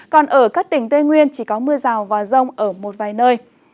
còn ở các tỉnh tây nguyên chỉ có mưa rào và rông ở một vài nơi